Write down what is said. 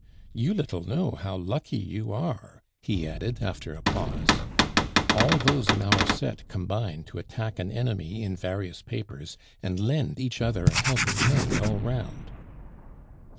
You little know how lucky you are," he added after a pause. "All those in our set combine to attack an enemy in various papers, and lend each other a helping hand all round."